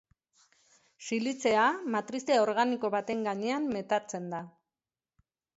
Silizea matrize organiko baten gainean metatzen da.